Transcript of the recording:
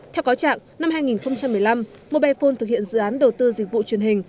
theo cáo trạng năm hai nghìn một mươi năm mobile phone thực hiện dự án đầu tư dịch vụ truyền hình